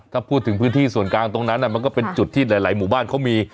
ถ้าพูดถึงพื้นที่ส่วนกลางตรงนั้นมันก็เป็นจุดที่หลายหมู่บ้านเขามี